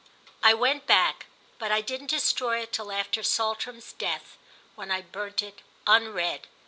I went back, but I didn't destroy it till after Saltram's death, when I burnt it unread.